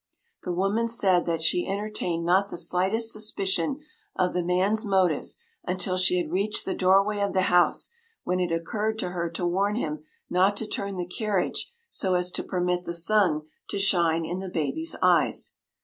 The woman said that she entertained not the slightest suspicion of the man’s motives until she had reached the doorway of the house, when it occurred to her to warn him not to turn the carriage so as to permit the sun to shine in the baby’s eyes.